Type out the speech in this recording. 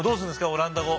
オランダ語。